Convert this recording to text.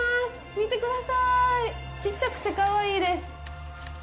見てください、ちっちゃくてかわいいです。